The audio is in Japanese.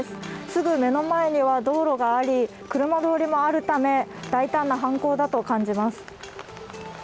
すぐ目の前には道路があり、車通りもあるため、大胆な犯行だと感じます。